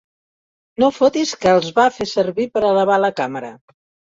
No fotis que els va fer servir per elevar la càmera?